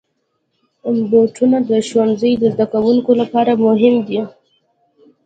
بوټونه د ښوونځي زدهکوونکو لپاره مهم دي.